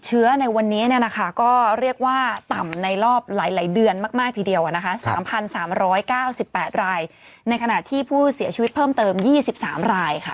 เชื้อในวันนี้ก็เรียกว่าต่ำในรอบหลายเดือนมากทีเดียว๓๓๙๘รายในขณะที่ผู้เสียชีวิตเพิ่มเติม๒๓รายค่ะ